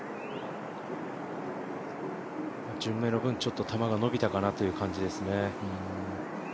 順目の分、球がちょっとのびたかなという感じですね。